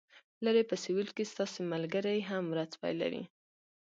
لرې په سویل کې ستاسو ملګري هم ورځ پیلوي